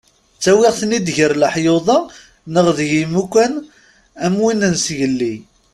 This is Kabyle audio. Ttawiɣ-ten-id gar leḥyuḍ-a neɣ deg yimukan am wid n yizgelli.